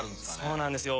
そうなんですよ。